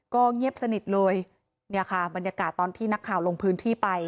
ก็เงียบสนิทเลยเนี่ยค่ะบรรยากาศตอนที่นักข่าวลงพื้นที่ไป